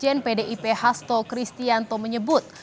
sekjen pdip hasto kristianto menyebut